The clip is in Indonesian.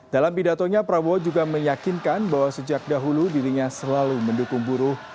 dalam pidatonya prabowo juga meyakinkan bahwa sejak dahulu dirinya selalu mendukung buruh